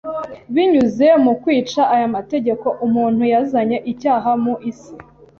Binyuze mu kwica aya mategeko, umuntu yazanye icyaha mu isi